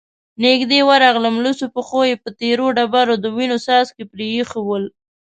نږدې ورغلم، لوڅو پښو يې په تېرو ډبرو د وينو څاڅکې پرېښي ول،